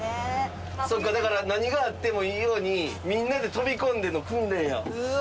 そっかだから何があってもいいようにみんなで飛び込んでの訓練や。